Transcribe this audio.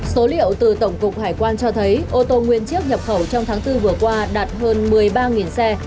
số liệu từ tổng cục hải quan cho thấy ô tô nguyên chiếc nhập khẩu trong tháng bốn vừa qua đạt hơn một mươi ba xe